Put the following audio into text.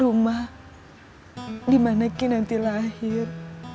rumah dimana kinanti lahir